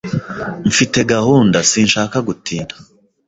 Mfite gahunda Sinshaka gutinda.